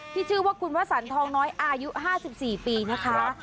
ที่ชื่อว่าคุณวสันทองน้อยอายุ๕๔ปีนะคะ